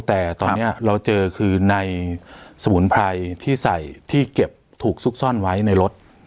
แต่ตอนนี้เราเจอคือในสมุนไพรที่ใส่ที่เก็บถูกซุกซ่อนไว้ในรถ